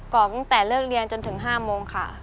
อกตั้งแต่เลิกเรียนจนถึง๕โมงค่ะ